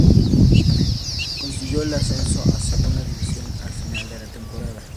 Consiguió el ascenso a Segunda División al final de la temporada.